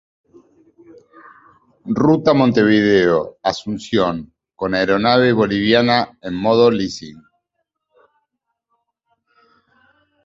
Ruta Montevideo Asunción con aeronave boliviana en modo Lessing.